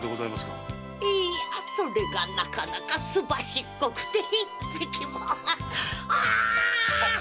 いやそれがなかなかすばしっこくて一匹も。